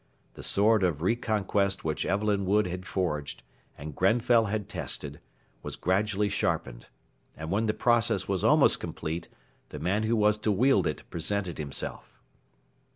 The sword of re conquest which Evelyn Wood had forged, and Grenfell had tested, was gradually sharpened; and when the process was almost complete, the man who was to wield it presented himself.